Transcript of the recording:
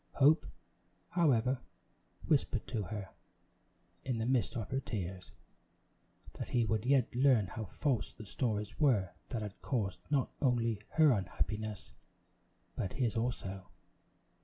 Hope, however, whispered to her, in the midst of her tears, that he would yet learn how false the stories were that had caused not only her unhappiness, but his also.